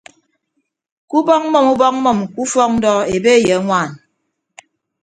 Ke ubọk mmʌm ubọk mmʌm ke ufọk ndọ ebe ye añwaan.